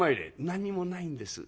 「何もないんです」。